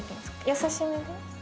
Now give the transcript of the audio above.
優しめで？